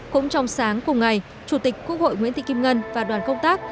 cũng trong sáng cùng ngày chủ tịch quốc hội nguyễn thị kim ngân và đoàn công tác